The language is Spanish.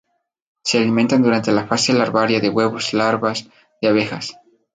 Se alimentan durante la fase larvaria de huevos y larvas de abejas.